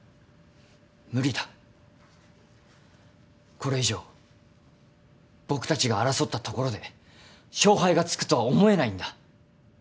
これ以上僕たちが争ったところで勝敗がつくとは思えないんだ。